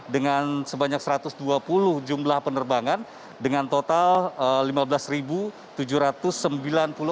dengan sebanyak satu ratus dua puluh jumlah penerbangan dengan total lima belas